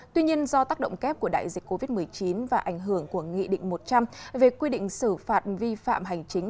tuy nhiên do tác động kép của đại dịch covid một mươi chín và ảnh hưởng của nghị định một trăm linh về quy định xử phạt vi phạm hành chính